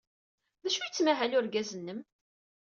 D acu ay yettmahal urgaz-nnem?